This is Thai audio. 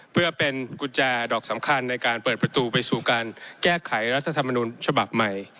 เพื่อเป็นกุญแจดอกสำคัญในการเปิดประตูไปสู่การแก้ไขรัฐธรรมนุนฉบับใหม่